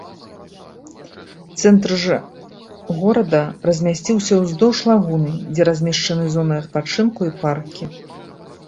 Цэнтр ж горада размясціўся ўздоўж лагуны, дзе размешчаны зоны адпачынку і паркі.